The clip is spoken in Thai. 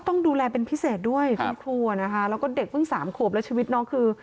ต้องดูแลเป็นพิเศษด้วยคุณครูนะคะแล้วก็เด็กเพิ่งสามขวบแล้วชีวิตน้องคือ